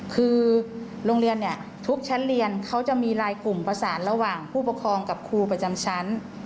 คือโรงเรียนเนี่ยทุกชั้นเรียนเขาจะมีลายกลุ่มประสานระหว่างผู้ปกครองกับครูประจำชั้น